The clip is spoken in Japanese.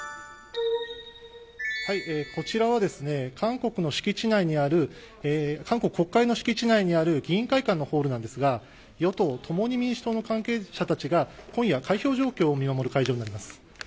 こちらは韓国国会の敷地内にある議員会館のホールなんですが与党・共に民主党の関係者たちが今夜、開票状況を見守る会場になります。